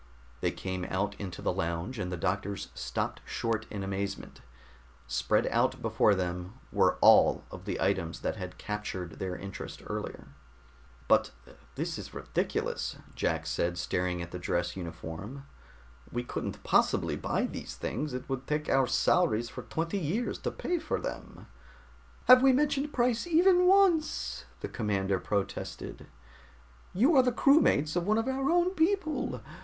They came out into the lounge, and the doctors stopped short in amazement. Spread out before them were all of the items that had captured their interest earlier. "But this is ridiculous," Jack said staring at the dress uniform. "We couldn't possibly buy these things, it would take our salaries for twenty years to pay for them." "Have we mentioned price even once?" the commander protested. "You are the crewmates of one of our own people!